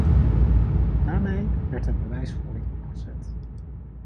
Daarmee werd een bewijsvoering opgezet.